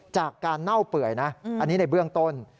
จากการเน่าเปื่อยนะอันนี้ในเบื้องต้น